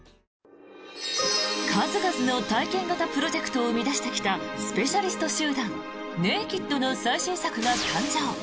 数々の体験型プロジェクトを生み出してきたスペシャリスト集団ＮＡＫＥＤの最新作が誕生！